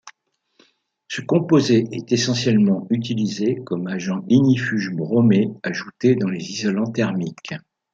Ce composé est essentiellement utilisé comme agent ignifuge bromé ajouté dans les isolants thermiques.